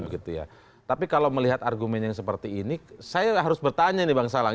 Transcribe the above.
jadi karena alasan sudah berjalan